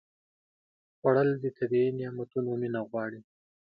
خوړل د طبیعي نعمتونو مینه غواړي